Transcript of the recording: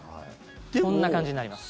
こんな感じになります。